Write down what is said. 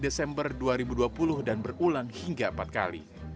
kemungkinannya dimulai desember dua ribu dua puluh dan berulan hingga empat kali